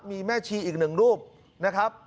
มีแม่ชีอีกหนึ่งรูปนะครับ